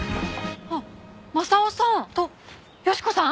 あっ昌夫さん！と良子さん？